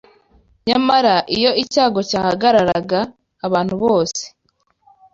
Nyamara iyo icyago cyahagararaga abantu bose